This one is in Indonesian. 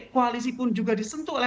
koalisi pun juga disentuh oleh